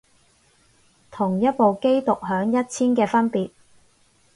同一部機獨享一千嘅分別